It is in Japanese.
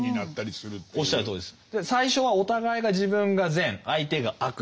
おっしゃるとおりです。